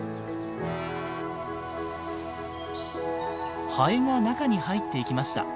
ハエが中に入っていきました。